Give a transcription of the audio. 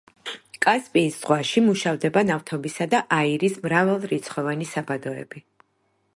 კასპიის ზღვაში მუშავდება ნავთობისა და აირის მრავალრიცხოვანი საბადოები.